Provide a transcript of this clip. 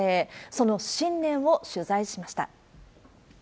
その信念を取材しました。